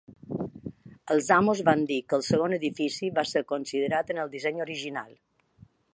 Els amos van dir que el segon edifici va ser considerat en el disseny original.